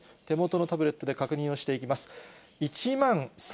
手元のタブレットで確認をしていきます。